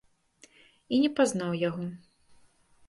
І не пазнаў яго.